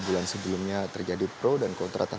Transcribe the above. bulan sebelumnya terjadi pro dan kontra